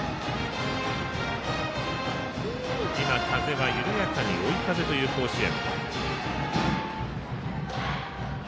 風は緩やかに追い風という甲子園。